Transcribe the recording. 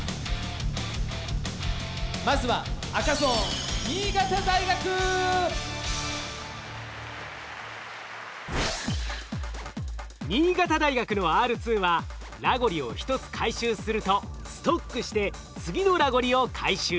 まずは赤ゾーン新潟大学のＲ２はラゴリを１つ回収するとストックして次のラゴリを回収。